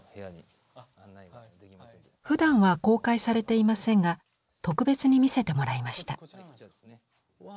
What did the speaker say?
ふだんは公開されていませんが特別に見せてもらいました。